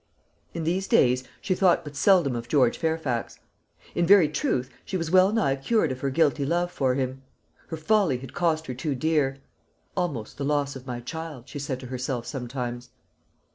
In these days she thought but seldom of George Fairfax. In very truth she was well nigh cured of her guilty love for him. Her folly had cost her too dear; "almost the loss of my child," she said to herself sometimes.